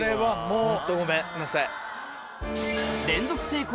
ホントごめんなさい。